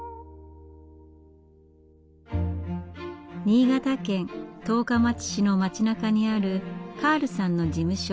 新潟県十日町市の町なかにあるカールさんの事務所。